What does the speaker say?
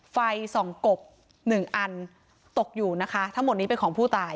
ไฟส่องกบหนึ่งอันตกอยู่นะคะทั้งหมดนี้เป็นของผู้ตาย